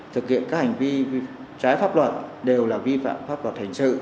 thực hiện các hành vi trái pháp luật đều là vi phạm pháp luật hành sự